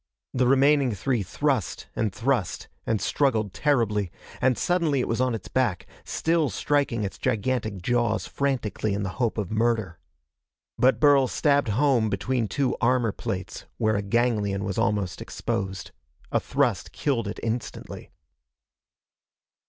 The remaining three thrust and thrust and struggled terribly and suddenly it was on its back, still striking its gigantic jaws frantically in the hope of murder. But Burl stabbed home between two armor plates where a ganglion was almost exposed. A thrust killed it instantly.